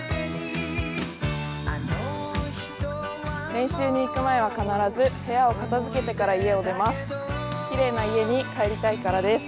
練習に行く前は必ず部屋を片付けてから家を出ます。